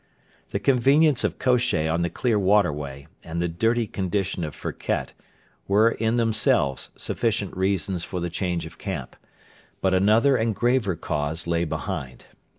The convenience of Kosheh on the clear waterway, and the dirty condition of Firket, were in themselves sufficient reasons for the change of camp; but another and graver cause lay behind.